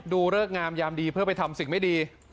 เริกงามยามดีเพื่อไปทำสิ่งไม่ดี